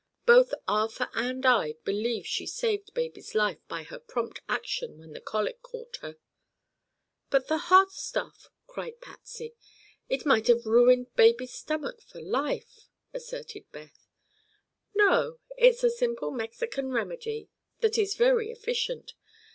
Both Arthur and I believe she saved baby's life by her prompt action when the colic caught her." "But the hot stuff!" cried Patsy. "It might have ruined baby's stomach for life," asserted Beth. "No; it's a simple Mexican remedy that is very efficient.